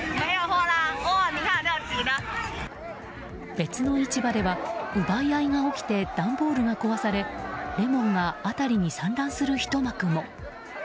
別の市場では奪い合いが起きて段ボールが壊されレモンが辺りに散乱するひと幕も。